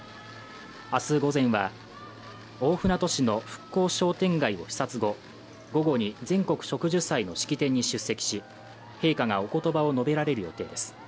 明日午前は大船渡市の復興商店街を視察後、午後に全国植樹祭の式典に出席し、陛下がお言葉を述べられる予定です。